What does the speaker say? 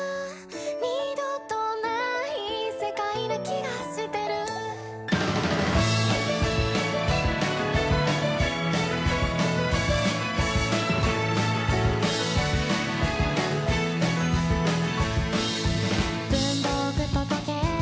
「二度とない世界な気がしてる」「文房具と時計